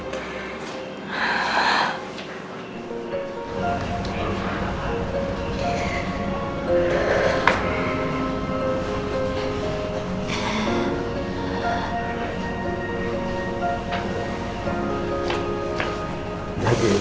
jangan lupa juga cucu opah ya